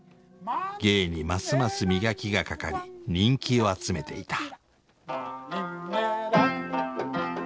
芸にますます磨きがかかり人気を集めていた。